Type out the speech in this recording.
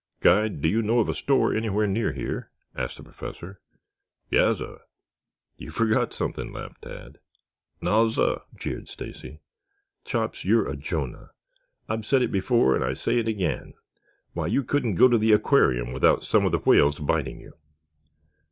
Guide, do you know of a store anywhere near here?" asked the Professor. "Yassir." "You forgot something," laughed Tad. "Nassir," jeered Stacy. "Chops, you're a Jonah. I've said it before, and I say it again. Why, you couldn't go to the aquarium without some of the whales biting you."